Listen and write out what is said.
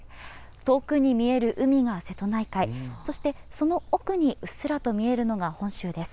遠くに見える海が瀬戸内海、そして、その奥にうっすらと見えるのが本州です。